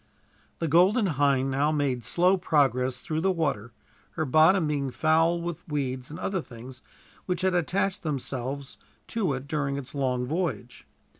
The Golden Hind now made slow progress through the water, her bottom being foul with weeds and other things which had attached themselves to it during its long voyage.